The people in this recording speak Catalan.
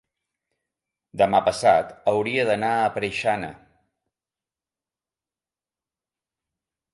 demà passat hauria d'anar a Preixana.